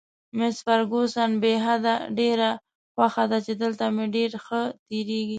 مس فرګوسن: بې حده، ډېره خوښه ده چې دلته مې ډېر ښه تېرېږي.